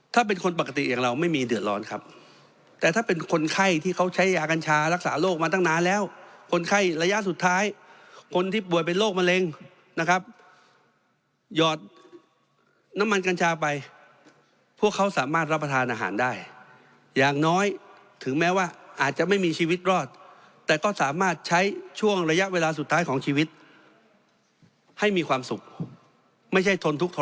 ถ้าเป็นคนปกติอย่างเราไม่มีเดือดร้อนครับแต่ถ้าเป็นคนไข้ที่เขาใช้ยากัญชารักษาโรคมาตั้งนานแล้วคนไข้ระยะสุดท้ายคนที่ป่วยเป็นโรคมะเร็งนะครับหยอดน้ำมันกัญชาไปพวกเขาสามารถรับประทานอาหารได้อย่างน้อยถึงแม้ว่าอาจจะไม่มีชีวิตรอดแต่ก็สามารถใช้ช่วงระยะเวลาสุดท้ายของชีวิตให้มีความสุขไม่ใช่ทนทุกท